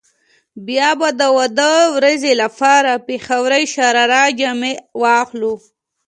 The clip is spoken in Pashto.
بيا به د واده ورځې لپاره پيښورۍ شراره جامې واخلو.